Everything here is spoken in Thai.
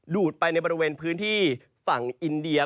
ดูดไปในบริเวณพื้นที่ฝั่งอินเดีย